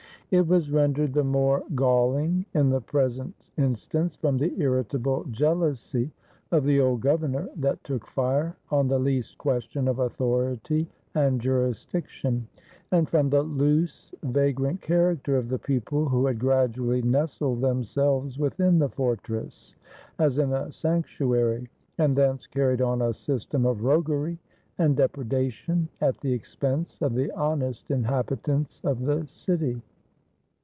It was rendered the more galling, in the present instance, from the irritable jeal ousy of the old governor, that took fire on the least question of authority and jurisdiction; and from the 466 THE GOVERNOR AND THE NOTARY loose, vagrant character of the people who had gradually nestled themselves within the fortress, as in a sanctuary, and thence carried on a system of roguery and depreda tion at the expense of the honest inhabitants of the city.